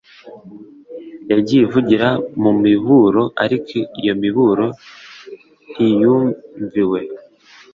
yagiye ivugira mu miburo ariko iyo miburo ntiyumviwe